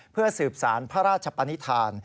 เพื่อสืบสารพระราชปนิษฐาน